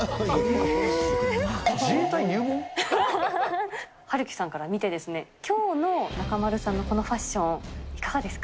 えっ？はるきゅさんから見てですね、きょうの中丸さんのこのファッション、いかがですか？